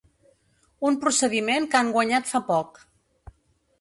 Un procediment que han guanyat fa poc.